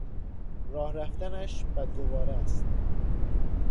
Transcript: راه رفتنش بدقواره است.